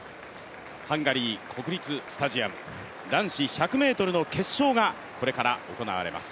ハンガリー国立スタジアム、男子１００ｍの決勝がこれから行われます。